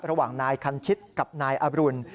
ระหว่างนายคันชิตกับนายอรุณ